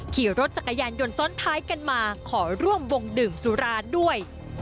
ขี่รถจักรยานยนต์ซ้อนท้ายกันมาขอร่วมวงดื่มสุราด้วย